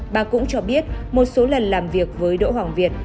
bà cũng cho biết một số lần làm việc với đỗ hoàng việt